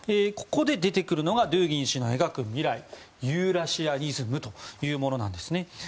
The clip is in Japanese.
ここで出てくるのがドゥーギン氏の描く未来ユーラシアニズムというものなんですね。